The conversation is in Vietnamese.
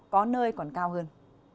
có nơi còn cao hơn